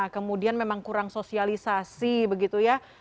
kemudian memang kurang sosialisasi begitu ya